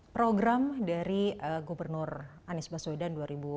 program dari gubernur anies baswedan